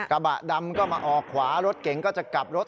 กระบะดำก็มาออกขวารถเก๋งก็จะกลับรถ